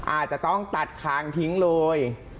อาจจะต้องตัดคางทิ้งเลย